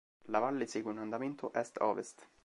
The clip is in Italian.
La valle segue un andamento Est-Ovest.